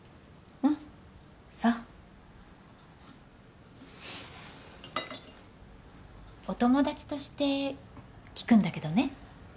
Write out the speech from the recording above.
そうお友達として聞くんだけどね